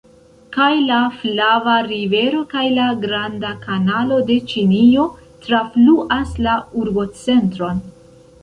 Kaj la Flava Rivero kaj la Granda Kanalo de Ĉinio trafluas la urbocentron.